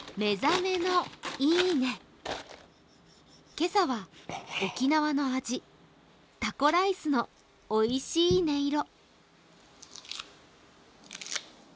今朝は沖縄の味、タコライスのおいしい音色。